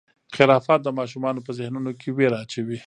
خرافات د ماشومانو په ذهنونو کې وېره اچوي.